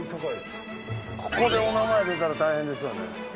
ここでお名前出たら大変ですよね。